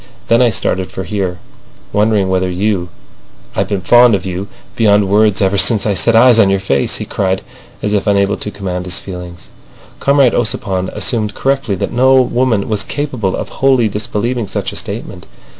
Then I started for here, wondering whether you—I've been fond of you beyond words ever since I set eyes on your face," he cried, as if unable to command his feelings. Comrade Ossipon assumed correctly that no woman was capable of wholly disbelieving such a statement.